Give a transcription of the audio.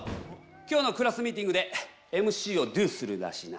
今日のクラスミーティングでＭＣをＤＯするらしいな。